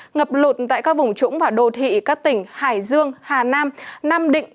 ngập lụt tại các vùng trũng và đô thị các tỉnh hải dương hà nam nam định